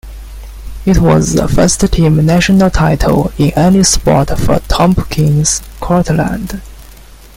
It was the first team national title in any sport for Tompkins Cortland.